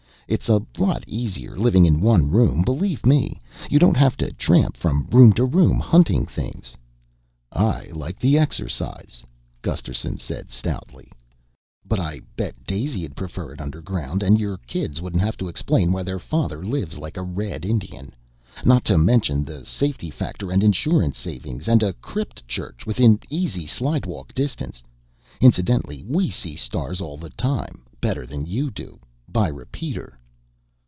"It's a lot easier living in one room, believe me. You don't have to tramp from room to room hunting things." "I like the exercise," Gusterson said stoutly. "But I bet Daisy'd prefer it underground. And your kids wouldn't have to explain why their father lives like a Red Indian. Not to mention the safety factor and insurance savings and a crypt church within easy slidewalk distance. Incidentally, we see the stars all the time, better than you do by repeater."